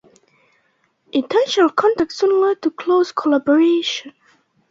The initial contact soon led to close collaboration.